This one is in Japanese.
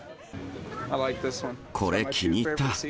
これ、気に入った。